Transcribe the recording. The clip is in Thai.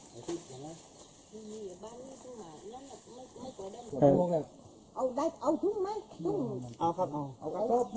คือบ้านนี้ผู้หมาเอาถึงไหม